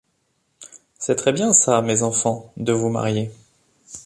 C’est très bien ça, mes enfants, de vous marier...